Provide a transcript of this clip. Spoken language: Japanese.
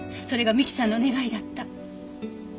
それが美樹さんの願いだった。